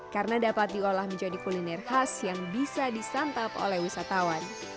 karena dapat diolah menjadi kuliner khas yang bisa disantap oleh wisatawan